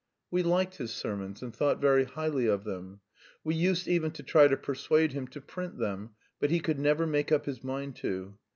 We liked his sermons and thought very highly of them. We used even to try to persuade him to print them, but he never could make up his mind to.